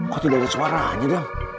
kok tidak ada suaranya dong